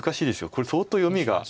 これ相当読みが。